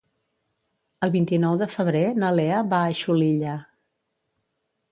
El vint-i-nou de febrer na Lea va a Xulilla.